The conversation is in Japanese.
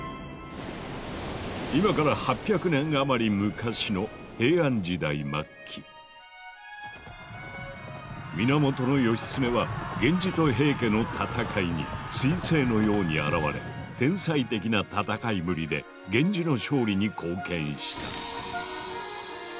今から８００年余り昔の源義経は源氏と平家の戦いに彗星のように現れ天才的な戦いぶりで源氏の勝利に貢献した。